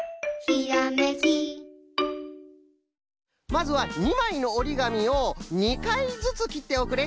まずは２まいのおりがみを２かいずつきっておくれ。